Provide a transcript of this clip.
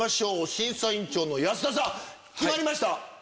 審査委員長の安田さん決まりました？